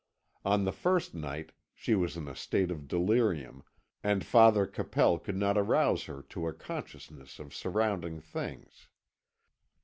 On the first night she was in a state of delirium, and Father Capel could not arouse her to a consciousness of surrounding things.